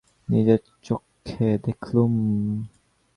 নিজের চক্ষে দেখলুম।